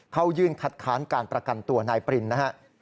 เข้ายื่นคัดค้านการประกันตัวนายปรินนะฮะ